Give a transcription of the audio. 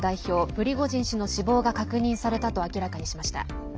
プリゴジン氏の死亡が確認されたと明らかにしました。